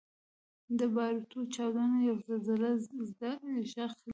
• د باروتو چاودنه یو زلزلهزده ږغ لري.